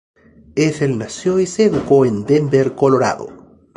Ethel nació y se educó en Denver, Colorado.